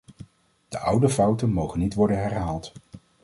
De oude fouten mogen niet worden herhaald.